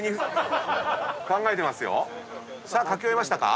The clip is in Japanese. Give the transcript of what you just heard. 書き終えましたか？